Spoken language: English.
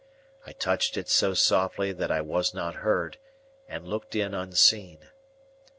I touched it so softly that I was not heard, and looked in unseen.